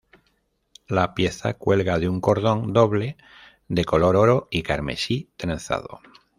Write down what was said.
La pieza cuelga de un cordón doble de color oro y carmesí trenzado.